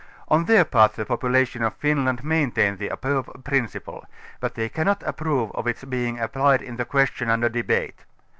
On their part the population of Finland maintain the above principle, but they cannot approve of its being applied in the question under debate.